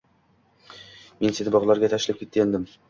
Men seni bog‘larga tashlab ketgandim